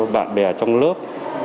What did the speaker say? bạn bè trong lớp